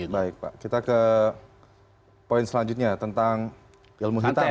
baik pak kita ke poin selanjutnya tentang ilmu hitam